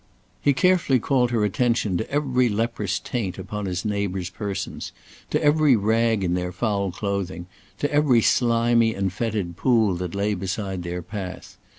He carefully called her attention to every leprous taint upon his neighbours' persons, to every rag in their foul clothing, to every slimy and fetid pool that lay beside their path.